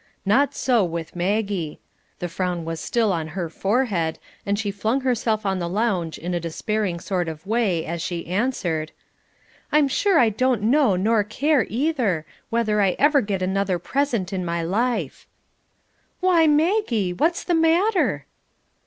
Not so with Maggie; the frown was still on her forehead, and she flung herself on the lounge in a despairing sort of way as she answered, "I'm sure I don't know nor care either, whether I ever get another present in my life." "Why, Maggie! What's the matter?"